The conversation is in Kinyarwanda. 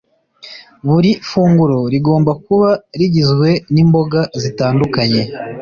Buri funguro rigomba kuba rigizwe n’imboga zitandukanye